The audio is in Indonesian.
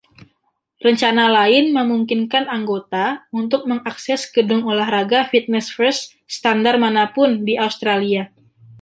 Rencana lain memungkinkan anggota untuk mengakses gedung olah raga Fitness First standar mana pun di Australia.